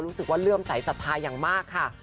รู้สึกว่าเลื่อมใส่ศรัทธิ์อย่างมากค่ะ